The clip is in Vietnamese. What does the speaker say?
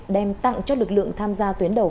đem tặng cho lực lượng tham gia tuyến đầu